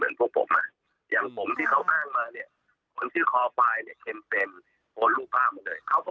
เราก็เก็บปัญญารักษาอันดับได้เราก็ให้ทันไหร่จำเนินขดีเขาแล้วว่า